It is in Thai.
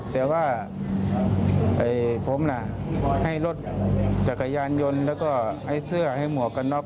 แต่ว่าผมน่ะให้รถจักรยานยนต์แล้วก็ให้เสื้อให้หมวกกันน็อก